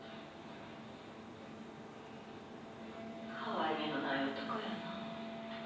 かわいげのない男よのう。